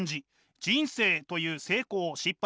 人生という成功失敗